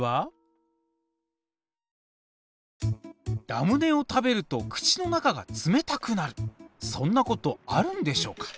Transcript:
ラムネを食べると口の中が冷たくなるそんなことあるんでしょうか。